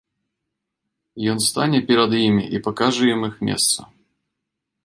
Ён стане перад імі і пакажа ім іх месца.